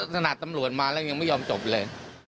ตำรวจมาแล้วยังไม่ยอมจบเลย